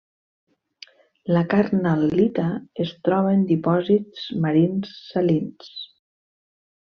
La carnal·lita es troba en dipòsits marins salins.